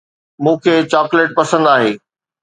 مون کي چاڪليٽ پسند آهي